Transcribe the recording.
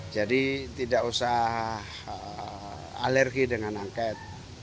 jadi tidak usah alergi dengan angket